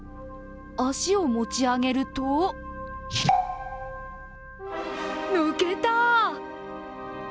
足を持ち上げると、抜けた！